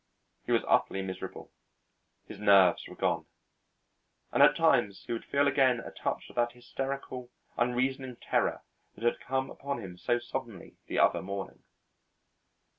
He was utterly miserable, his nerves were gone, and at times he would feel again a touch of that hysterical, unreasoning terror that had come upon him so suddenly the other morning.